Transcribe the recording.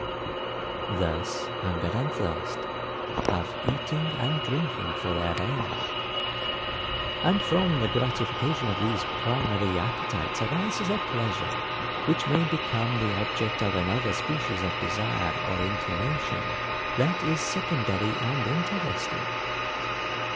Thus, hunger and thirst have eating and drinking for their end; and from the gratification of these primary appetites arises a pleasure, which may become the object of another species of desire or inclination that is secondary and interested.